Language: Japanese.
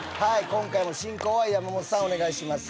今回も進行は山本さんお願いします